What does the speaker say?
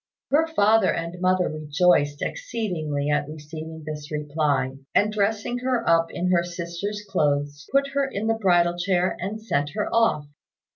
Her father and mother rejoiced exceedingly at receiving this reply; and dressing her up in her sister's clothes, put her in the bridal chair and sent her off.